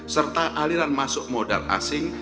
serta aliran masuk modal asing